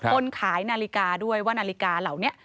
คนขายนาฬิกาด้วยว่านาฬิกาเหล่านี้